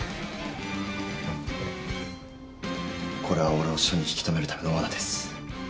これは俺を署に引き留めるためのわなです。